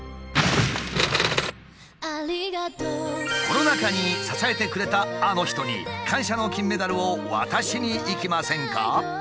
コロナ禍に支えてくれたあの人に感謝の金メダルを渡しに行きませんか？